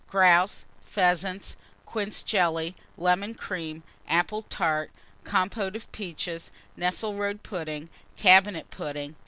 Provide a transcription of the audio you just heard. Grouse. Pheasants. Quince Jelly. Lemon Cream. Apple Tart. Compote of Peaches. Nesselrode Pudding. Cabinet Pudding.